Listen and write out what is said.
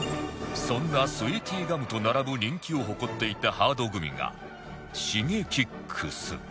そんなスウィーティガムと並ぶ人気を誇っていたハードグミがシゲキックス